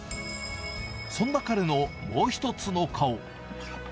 そんな彼のもう一つの顔。